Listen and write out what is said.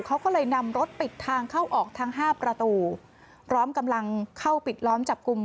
เขาก็เลยนำรถปิดทางเข้าออกทั้งห้าประตูพร้อมกำลังเข้าปิดล้อมจับกลุ่ม